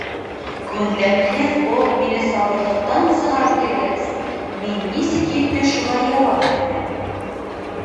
Күндәмһеҙ болт мине сабырлыҡтан сығарып килгәс, мин нисек етте шулай яуап бирҙем: